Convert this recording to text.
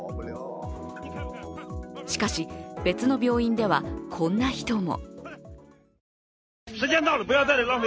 しかし、別の病院ではこんな人も。